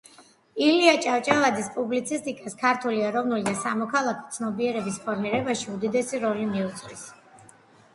ილია ჭავჭავაძის პუბლიცისტიკას ქართული ეროვნული და სამოქალაქო ცნობიერების ფორმირებაში უდიდესი როლი მიუძღვის